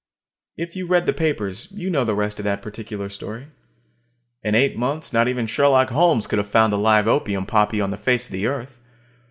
If you read the papers, you know the rest of that particular story. In eight months not even Sherlock Holmes could have found a live opium poppy on the face of the earth.